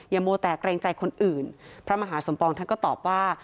มัวแต่เกรงใจคนอื่นพระมหาสมปองท่านก็ตอบว่า